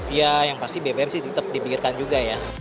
ya yang pasti bbm sih tetap dibikirkan juga ya